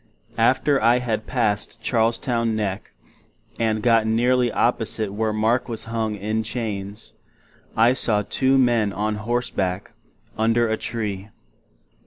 After I had passed Charlestown Neck, and got nearly opposite where Mark was hung in chains, I saw two men on Horse back, under a Tree.